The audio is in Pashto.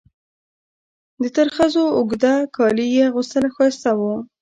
د ترخزو اوږده کالي یې اغوستل او ښایسته وو.